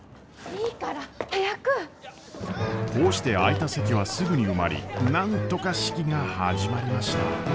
こうして空いた席はすぐに埋まりなんとか式が始まりました。